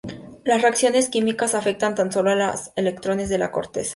Las reacciones químicas afectan tan sólo a los electrones de la corteza.